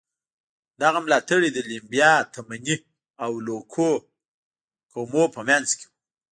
دغه ملاتړي د لیمبا، تمني او لوکو قومونو په منځ کې وو.